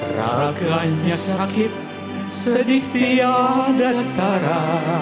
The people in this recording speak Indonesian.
rarangannya sakit sedik tia dan tara